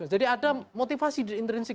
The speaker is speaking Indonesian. jadi ada motivasi intrinsik